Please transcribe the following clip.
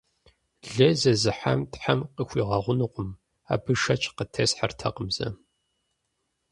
Лей зезыхьам Тхьэм къыхуигъэгъунукъым – абы шэч къытесхьэртэкъым сэ.